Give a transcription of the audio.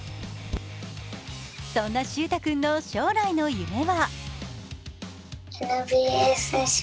そんな秀太君の将来の夢は？